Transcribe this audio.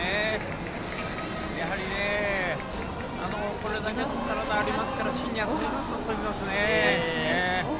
やはりこれだけの体ありますから芯に当たると、グッと飛びますね。